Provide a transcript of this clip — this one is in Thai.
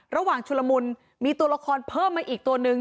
ชุลมุนมีตัวละครเพิ่มมาอีกตัวนึง